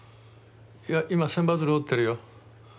いや今千羽鶴折ってるよ。